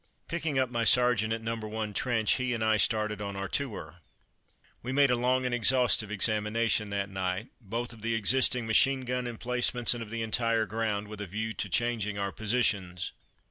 Picking up my sergeant at Number 1 trench, he and I started on our tour. We made a long and exhaustive examination that night, both of the existing machine gun emplacements and of the entire ground, with a view to changing our positions.